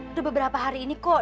udah beberapa hari ini kok